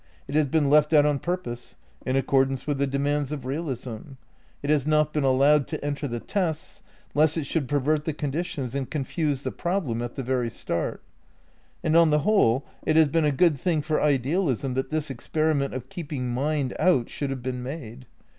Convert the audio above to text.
It has been left out on purpose, in accordance with the demands of realism. It has not been allowed to enter the tests lest it should pervert the conditions, and confuse the problem at the very start. And on the whole it has been a good thing for idealism that this experiment of keeping mind out should have been made.